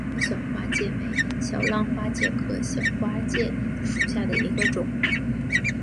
李老小花介为小浪花介科小花介属下的一个种。